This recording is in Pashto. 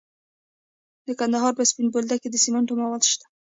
د کندهار په سپین بولدک کې د سمنټو مواد شته.